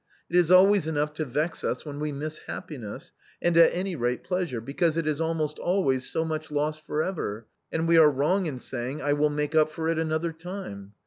It is always enough to vex us when we miss happiness, and at any rate pleasure, because it is almost always so much lost for ever, and we are wrong in saying, * I will make up for it another time.'